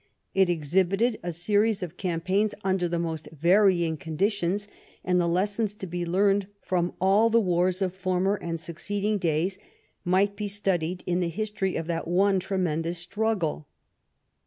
It exhibited a series of campaigns under the most varying conditions, and the lessons to be learned from all the wars of former and succeeding days might be studied in the history of that one tremendous struggle.